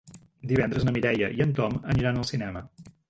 Divendres na Mireia i en Tom aniran al cinema.